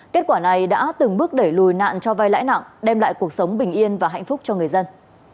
kết quả này đã từng bước đẩy lùi nạn cho vai lãi nặng đem lại cuộc sống bình yên và hạnh phúc cho người dân